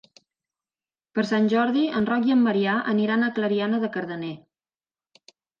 Per Sant Jordi en Roc i en Maria aniran a Clariana de Cardener.